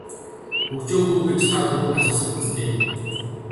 Хөгжөөх үү гэж та түрүүн асуусан биз дээ.